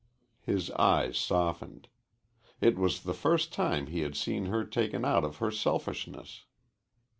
His eyes softened. It was the first time he had seen her taken out of her selfishness.